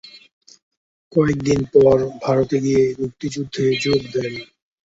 কয়েক দিন পর ভারতে গিয়ে মুক্তিযুদ্ধে যোগ দেন।